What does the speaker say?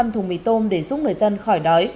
năm trăm linh thùng mì tôm để giúp người dân khỏi đói